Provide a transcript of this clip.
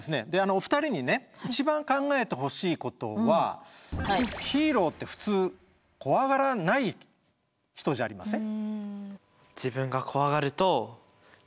お二人にね一番考えてほしいことはヒーローって普通こわがらない人じゃありません？